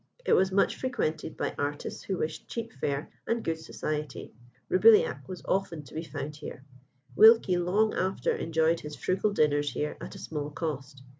It was much frequented by artists who wished cheap fare and good society. Roubilliac was often to be found here. Wilkie long after enjoyed his frugal dinners here at a small cost.